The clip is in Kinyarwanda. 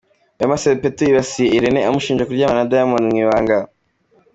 Wema Sepetu yibasiye Irene amushinja kuryamana na Diamond mu ibanga.